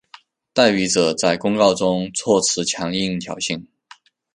代笔者在公告中措辞强硬挑衅。